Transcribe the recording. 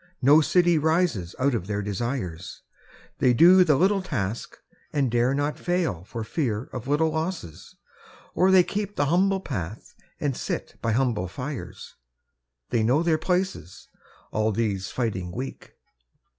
No city rises out of their desires ; They do the little task, and dare not fail For fear of little losses — or they keep The humble path and sit by humble fires; They know their places — all these fighting Weak!